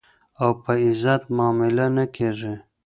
او په عزت معامله نه کېږي.